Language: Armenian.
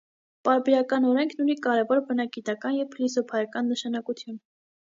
Պարբերական օրենքն ունի կարևոր բնագիտական և փիլիսոփայական նշանակություն։